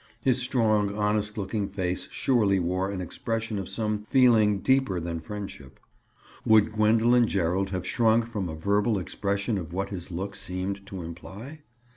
His strong, honest looking face surely wore an expression of some feeling deeper than friendship. Would Gwendoline Gerald have shrunk from a verbal expression of what his look seemed to imply?